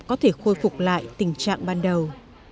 có thể khôi phục lại tình trạng ban đầu